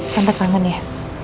tante kangen ya